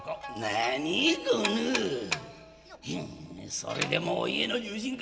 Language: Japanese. それでもお家の重臣か。